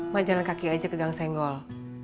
mah jalan kaki aja ke gang senggol